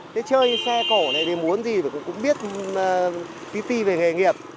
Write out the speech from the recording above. thế chơi xe cổ này thì muốn gì cũng biết tí tí về nghề nghiệp